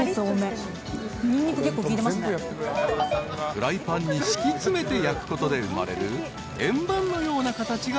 ［フライパンに敷き詰めて焼くことで生まれる円盤のような形がその名の由来］